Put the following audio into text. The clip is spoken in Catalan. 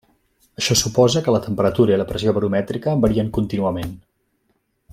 Això suposa que la temperatura i la pressió baromètrica varien contínuament.